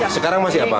sekarang masih apa